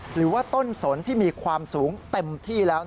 หรือว่าต้นสนที่มีความสูงเต็มที่แล้ว